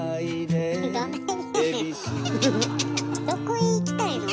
どこへ行きたいの？